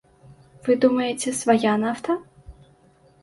Вы думаеце, свая нафта?